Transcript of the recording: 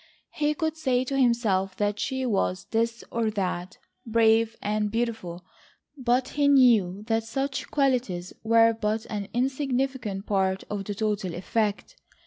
He could say to himself that she was this or that,—brave and beautiful, but he knew that such qualities were but an insignificant part of the total effect.